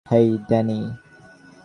হেই, Danny!